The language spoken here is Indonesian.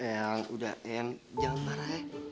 eyang udah eyang jangan marah ey